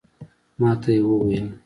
ماته یې وویل